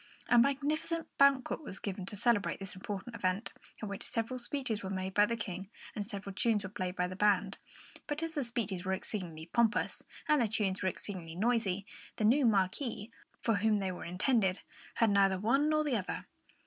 A magnificent banquet was given to celebrate this important event, at which several speeches were made by the King and several tunes were played by the band; but as the speeches were exceedingly pompous and the tunes were exceedingly noisy, the new Marquis, for whom they were intended, heard neither one nor the other.